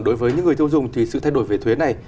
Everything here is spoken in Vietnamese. đối với những người tiêu dùng thì sự thay đổi về thuế này